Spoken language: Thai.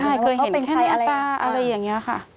ใช่เคยเห็นแค่หน้าตาอะไรอย่างนี้ค่ะ